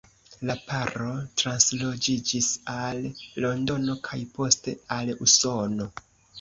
La paro transloĝiĝis al Londono kaj poste al Usono.